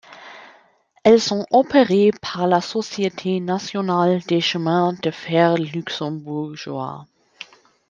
Elles sont opérées par la Société nationale des chemins de fer luxembourgeois.